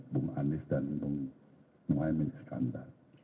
bung anies dan bung muwais kandar